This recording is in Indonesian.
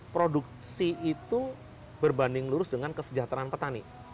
produksi itu berbanding lurus dengan kesejahteraan petani